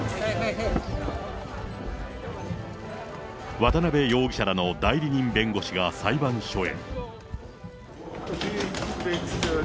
渡辺容疑者らの代理人弁護士が裁判所へ。